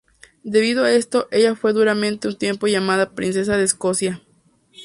Debido a esto, ella fue durante un tiempo llamada princesa de Escocia.